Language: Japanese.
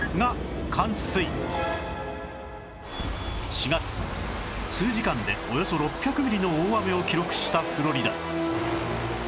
４月数時間でおよそ６００ミリの大雨を記録したフロリダ